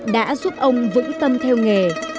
đã giúp ông vững tâm theo nghề